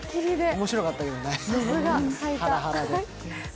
面白かったけどね、ハラハラで。